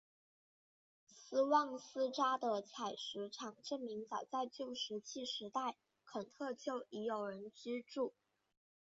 斯旺斯扎的采石场证明早在旧石器时代肯特就已有人居住。